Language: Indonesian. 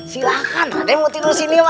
silahkan raden mau tidur disini